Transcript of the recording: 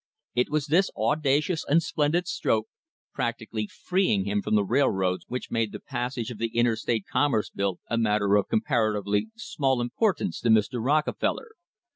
It was this audacious and splendid stroke, practically freeing him from the railroads which had made him, which made the passage of the Interstate Commerce Bill a matter of comparatively small importance to Mr. Rockefeller.